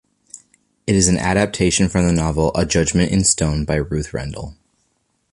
It is an adaptation from the novel "A Judgement in Stone" by Ruth Rendell.